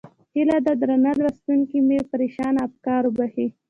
هیله ده درانه لوستونکي مې پرېشانه افکار وبښي.